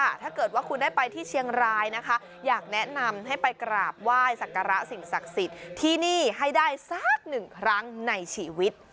ถ้าเกิดว่าคุณได้ไปที่เชียงรายนะคะอยากแนะนำให้ไปกราบไหว้สักการะสิ่งศักดิ์สิทธิ์ที่นี่ให้ได้สักหนึ่งครั้งในชีวิต